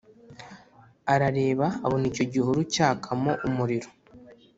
arareba abona icyo gihuru cyakamo umuriro